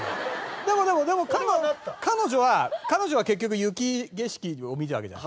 でもでもでも彼女は結局雪景色を見たわけじゃん。